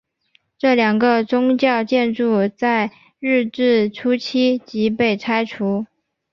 这两个宗教建筑在日治初期即被拆除。